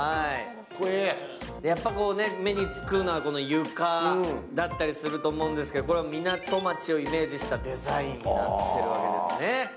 目につくのはやっぱ床だったりするんですけどこれは港町をイメージしたデザインになってるわけですね。